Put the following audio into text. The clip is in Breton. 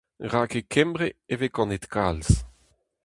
Rak e Kembre e vez kanet kalz.